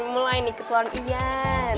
mulai nih ketuaran ian